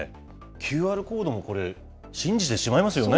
ＱＲコードもこれ、信じてしまいますよね。